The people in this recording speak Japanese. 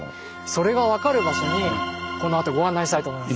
それが分かる場所にこのあとご案内したいと思います。